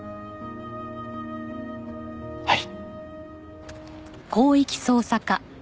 はい。